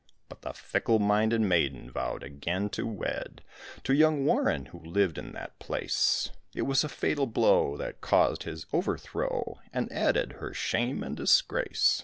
But the fickle minded maiden vowed again to wed To young Warren who lived in that place; It was a fatal blow that caused his overthrow And added to her shame and disgrace.